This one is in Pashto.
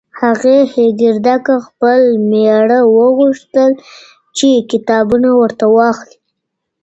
هغې ه خپل مېړه وغوښتل چې کتابونه ورته واخلي.